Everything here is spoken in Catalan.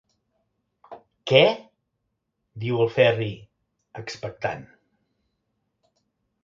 Què? –diu el Ferri, expectant.